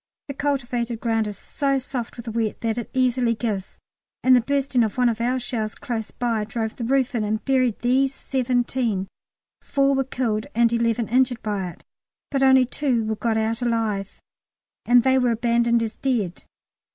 The cultivated ground is so soft with the wet that it easily gives, and the bursting of one of our shells close by drove the roof in and buried these seventeen four were killed and eleven injured by it, but only two were got out alive, and they were abandoned as dead.